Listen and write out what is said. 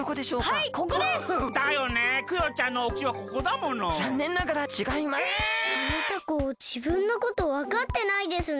あのタコじぶんのことわかってないですね。